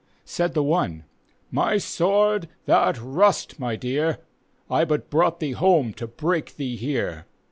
Said the one, " My sword, th'art rust, my dear, I but brought thee home to break thee here."